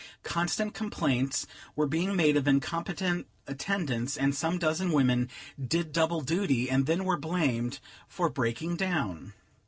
Constant complaints were being made of incompetent attendants, and some dozen women did double duty, and then were blamed for breaking down.